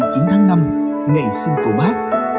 một mươi chín tháng năm ngày sinh của bác